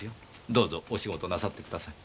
どうぞお仕事なさってください。